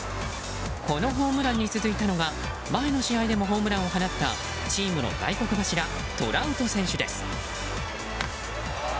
このホームランに続いたのが前の試合でもホームランを放ったチームの大黒柱トラウト選手です。